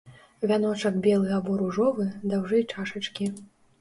Вяночак белы або ружовы, даўжэй чашачкі.